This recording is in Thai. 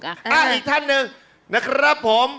อีกท่านหนึ่งนะครับผม